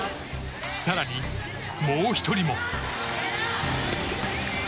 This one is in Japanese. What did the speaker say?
更に、もう１人も。